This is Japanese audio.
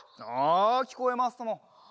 ああきこえますとも。